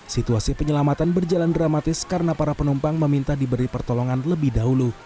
situasi penyelamatan berjalan dramatis karena para penumpang meminta diberi pertolongan lebih dahulu